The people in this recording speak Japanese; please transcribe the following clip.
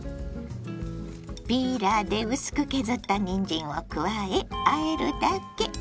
ピーラーで薄く削ったにんじんを加えあえるだけ。